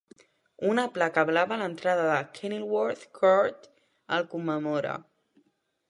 Una placa blava a l'entrada de Kenilworth Court el commemora.